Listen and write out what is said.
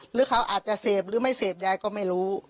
หรือเขาอาจจะเสพหรือไม่เสพยายก็ไม่รู้